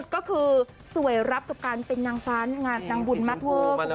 ก็คือสวยรับทุกการเป็นนางฟ้านางบุญมาทั่ว